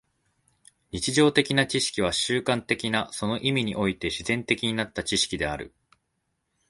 日常的な知識は習慣的な、その意味において自然的になった知識である。